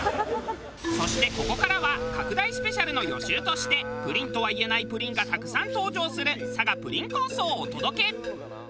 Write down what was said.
そしてここからは拡大スペシャルの予習としてプリンとは言えないプリンがたくさん登場する佐賀プリン抗争をお届け。